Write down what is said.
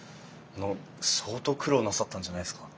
あの相当苦労なさったんじゃないですか？